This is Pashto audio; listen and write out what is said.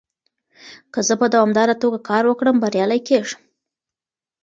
که زه په دوامداره توګه کار وکړم، بريالی کېږم.